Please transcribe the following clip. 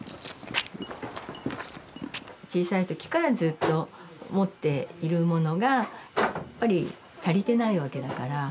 小さい時からずっと持っているものがやっぱり足りてないわけだから。